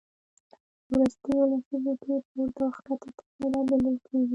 په وروستیو لسیزو کې پورته او کښته تمایلات لیدل کېږي